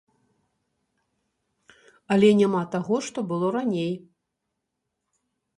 Але няма таго, што было раней.